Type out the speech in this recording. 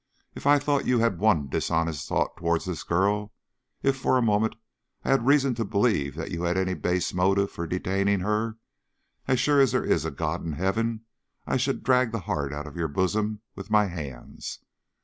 "If I thought you had one dishonest thought towards this girl if for a moment I had reason to believe that you had any base motive for detaining her as sure as there is a God in Heaven I should drag the heart out of your bosom with my hands."